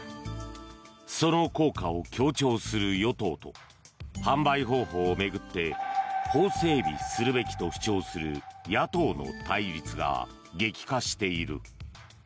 その効果を強調する与党と販売方法を巡って法整備するべきと主張する野党の対立が激化している。